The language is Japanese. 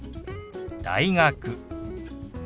「大学」。